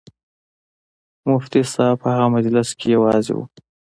مفتي صاحب په هغه مجلس کې یوازې و.